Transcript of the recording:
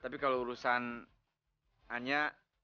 tapi kalau urusan anya